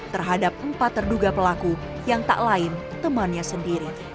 terhadap empat terduga pelaku yang tak lain temannya sendiri